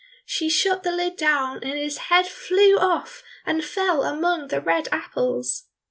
she shut the lid down, and his head flew off and fell among the red apples.